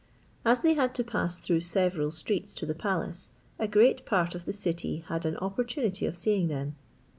As they had to pass through several streets to the palace, a great part of the city had an opportunity of seeing them.